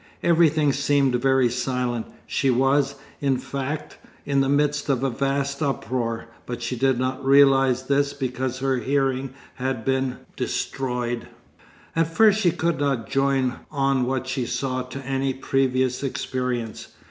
Everything seemed very silent. She was, in fact, in the midst of a vast uproar, but she did not realise this because her hearing had been destroyed. At first she could not join on what she saw to any previous experience.